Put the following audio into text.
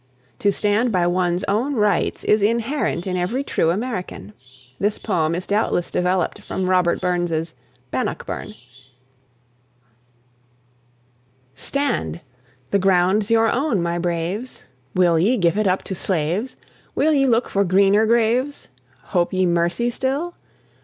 To stand by one's own rights is inherent in every true American. This poem is doubtless developed from Robert Burns's "Bannockburn." (1785 1866.) Stand! the ground's your own, my braves! Will ye give it up to slaves? Will ye look for greener graves? Hope ye mercy still?